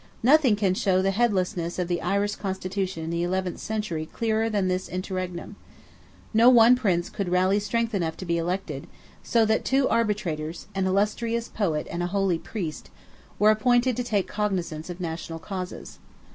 Nothing can show the headlessness of the Irish Constitution in the eleventh century clearer than this interregnum. No one Prince could rally strength enough to be elected, so that two Arbitrators, an illustrious Poet and a holy Priest, were appointed to take cognizance of national causes.